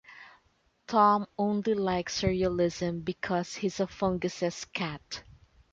Tom only likes surrealism because he's a fungus's cat.